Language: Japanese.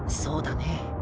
そうだね。